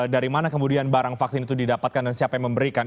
dari mana kemudian barang vaksin itu didapatkan dan siapa yang memberikan